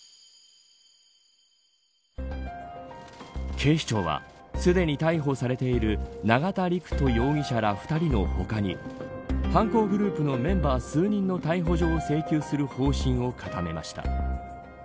警視庁はすでに逮捕されている永田陸人容疑者ら２人の他に犯行グループのメンバー数人の逮捕状を請求する方針を固めました。